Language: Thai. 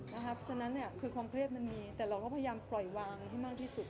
เพราะฉะนั้นคือความเครียดมันมีแต่เราก็พยายามปล่อยวางให้มากที่สุด